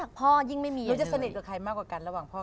แต่กับแม่เนี่ยพูดกันนิดหน่อยก็จะแบบ